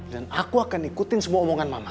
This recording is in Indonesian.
dan aku akan ikutin semua omongan mama